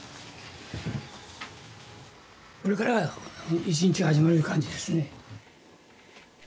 これから１日が始まる感じですね。